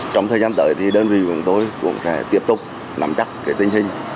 trong thời gian tới thì đơn vị của tôi cũng sẽ tiếp tục nắm chắc tình hình